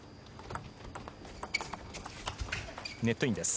ネットインです。